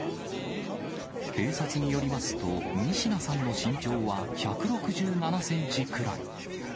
警察によりますと、仁科さんの身長は１６７センチくらい。